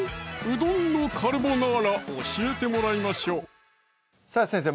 うどんのカルボナーラ教えてもらいましょうさぁ先生